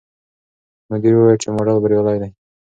مدیر وویل چې ماډل بریالی دی.